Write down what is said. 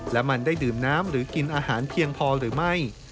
และมันได้ดื่มน้ำหรือกินอาหารเพียงพอหรือไม่